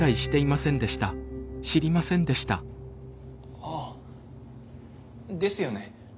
あっですよね。